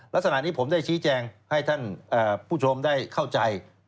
ลักษณะนี้ผมได้ชี้แจงให้ท่านผู้ชมได้เข้าใจ